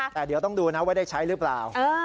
แต่เดี๋ยวต้องดูนะว่าได้ใช้หรือเปล่า